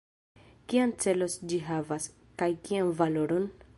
Kian celon ĝi havas, kaj kian valoron?